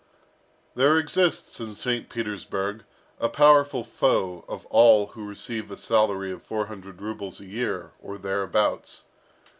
There exists in St. Petersburg a powerful foe of all who receive a salary of four hundred rubles a year, or there abouts.